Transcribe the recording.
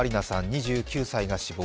２９歳が死亡。